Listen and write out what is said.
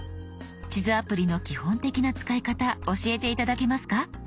地図アプリの基本的な使い方教えて頂けますか？